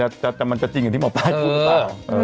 มันจะจริงอย่างที่หมอปลายพูดเปล่า